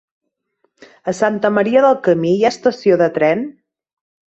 A Santa Maria del Camí hi ha estació de tren?